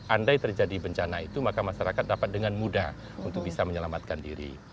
andai terjadi bencana itu maka masyarakat dapat dengan mudah untuk bisa menyelamatkan diri